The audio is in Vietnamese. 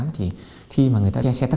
thì khi mà người ta xe taxi từ